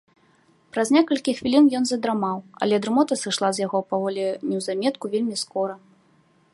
Праз некалькі хвілін ён задрамаў, але дрымота сышла з яго паволі, неўзаметку, вельмі скора.